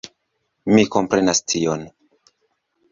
Mi komprenas tion.